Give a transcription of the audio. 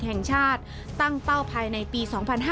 แห่งชาติตั้งเป้าภายในปี๒๕๕๙